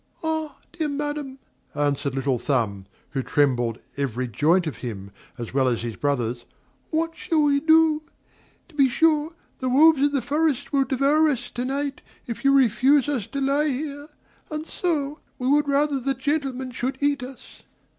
"Ah! dear Madam," answered Little Thumb (who trembled every joint of him, as well as his brothers) "what shall we do? To be sure, the wolves of the forest will devour us to night, if you refuse us to lie here; and so, we would rather the gentleman should eat us.